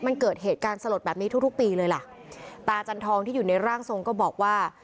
มันเกิดเหตุการณ์สลดแบบนี้ทุกทุกปีเลยล่ะตาจันทองที่อยู่ในร่างทรงก็บอกว่า